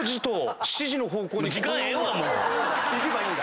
いけばいいんだ。